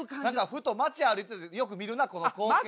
ふと街歩いててよく見るなこの光景とか。